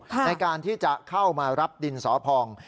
ในการที่จะเข้ามารับดินสอพอง